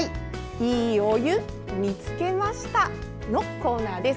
「＃いいお湯見つけました」のコーナーです。